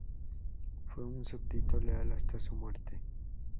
Fue un súbdito leal hasta su muerte.